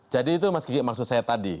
jadi itu mas gigi maksud saya tadi